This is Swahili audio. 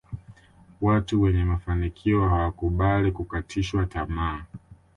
Watu wenye mafanikio hawakubali kukatishwa tamaa